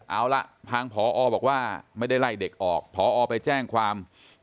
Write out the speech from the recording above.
เอาล่ะทางพอบอกว่าไม่ได้ไล่เด็กออกพอไปแจ้งความ